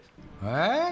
えっ？